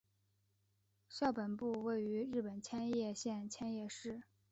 校本部位于日本千叶县千叶市。